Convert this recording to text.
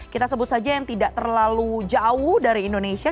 kita sebut saja yang tidak terlalu jauh dari indonesia